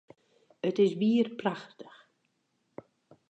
It is wier prachtich!